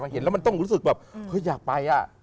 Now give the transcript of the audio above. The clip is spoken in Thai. เห็นแล้วมันต้องรู้สึกแบบเฮ้ยอยากไป